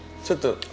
ちょっと？